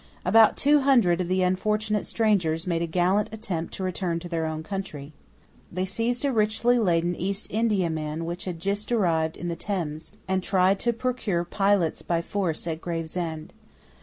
About two hundred of the unfortunate strangers made a gallant attempt to return to their own country. They seized a richly laden East Indiaman which had just arrived in the Thames, and tried to procure pilots by force at Gravesend.